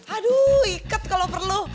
aduh ikat kalau perlu